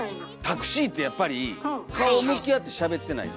タクシーってやっぱり顔向き合ってしゃべってない。